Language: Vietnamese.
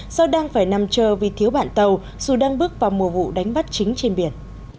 do đang phải nằm chờ vì thiếu bạn tàu dù đang bước vào mùa vụ đánh bắt chính trên biển